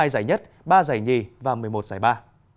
hai giải nhất ba giải nhì và một mươi một giải ba